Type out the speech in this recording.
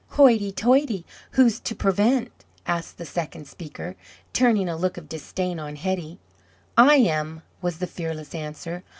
"Hoity toity! who's to prevent?" asked the second speaker, turning a look of disdain on Hetty. "I am," was the fearless answer.